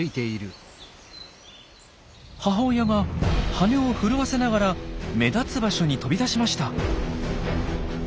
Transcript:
母親が羽を震わせながら目立つ場所に飛び出しました。